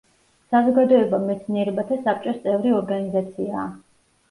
საზოგადოება მეცნიერებათა საბჭოს წევრი ორგანიზაციაა.